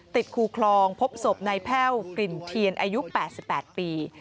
ติดคูคลองพบศพในแพร่วฝิ่นเทียนอายุแปดสิบแปดปี